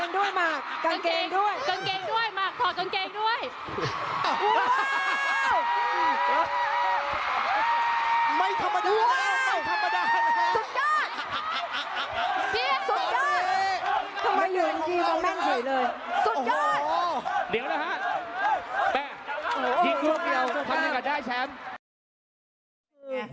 เดี๋ยวนะฮะไปยิงรูปเดียวทำยังไงกันได้แชมป์